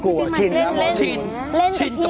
เจอกันเกินนะชิ้นเล่นครับก็อดซักซักอู่ตายแล้วดูเบยมีแปะแผล